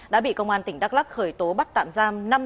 đã bị công an tỉnh đắk lắc khởi tố bắt tạm giam